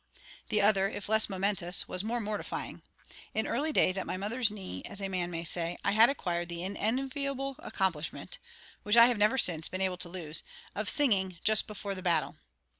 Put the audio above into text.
The other, if less momentous, was more mortifying. In early days, at my mother's knee, as a man may say, I had acquired the unenviable accomplishment (which I have never since been able to lose) of singing _Just before the Battle.